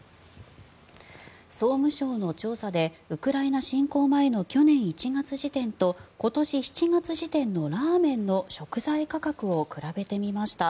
総務省の調査でウクライナ侵攻前の去年１月時点と今年７月時点のラーメンの食材価格を比べてみました。